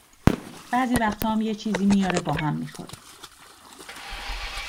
بعضی وقتا هم یه چیزی میاره با هم می خوریم،